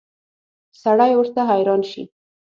سړی ورته حیران شي.